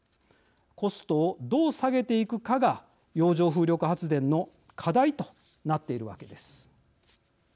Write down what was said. コストをどう下げていくかが洋上風力発電の課題となっているわけです。